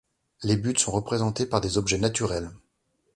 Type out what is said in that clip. Les buts sont représentés par des objets naturels.